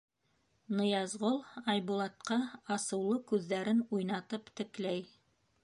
Ныязғол Айбулатҡа асыулы күҙҙәрен уйнатып текләй.